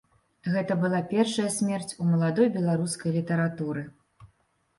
Гэта была першая смерць у маладой беларускай літаратуры.